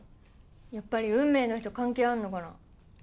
やっぱり運命の人関係あるのかな？